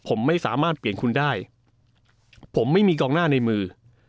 ผมไม่สามารถเปลี่ยนคุณได้ผมไม่มีกองหน้าในมือ